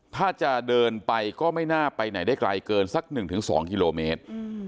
ถ้าจะเดินไปก็ไม่น่าไปไหนได้ไกลเกินสัก๑๒กิโลเมตร